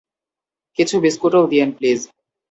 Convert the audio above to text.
কিছু বিস্কুটও দিয়েন, প্লিজ।